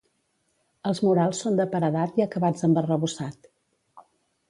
Els murals són de paredat i acabats amb arrebossat.